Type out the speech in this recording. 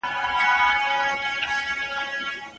د خطر منونکو کسانو لاسته راوړني د نورو په پرتله ډېري وي.